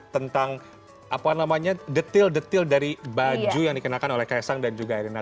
tentang apa namanya detil detil dari baju yang dikenakan oleh kaisang dan juga erina